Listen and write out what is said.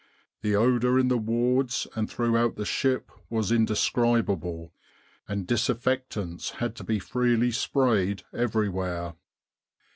The odour in the wards and throughout the ship was indescribable, and dis infectants had to be freely sprayed everywhere.